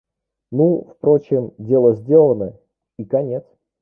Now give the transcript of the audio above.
Ну, впрочем, дело сделано, и конец.